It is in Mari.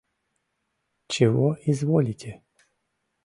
«Чего изволите?»